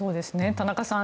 田中さん